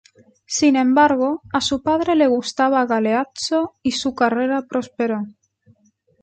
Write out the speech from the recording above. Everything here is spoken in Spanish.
Sin embargo, a su padre le gustaba Galeazzo y su carrera prosperó.